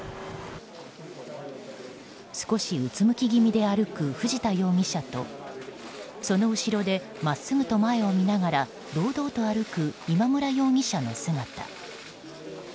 少しうつむき気味で歩く藤田容疑者とその後ろで真っすぐと前を見ながら堂々と歩く今村容疑者の姿。